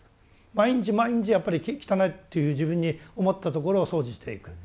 毎日毎日やっぱり汚いって自分に思ったところを掃除していく。